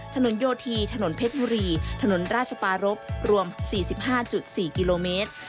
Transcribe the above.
ถนนโยธีถนนเพชรบุรีถนนราชปารพรวม๔๕๔กิโลเมตร